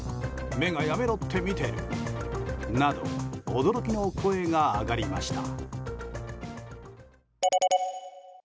目がやめろって見てるなど驚きの声が上がりました。